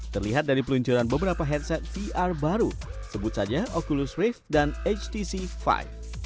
terlihat dari peluncuran beberapa headset vr baru sebut saja oculus rift dan htc five